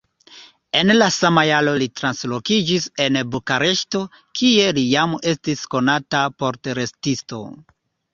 En la sama jaro li translokiĝis al Bukareŝto, kie li jam estis konata portretisto.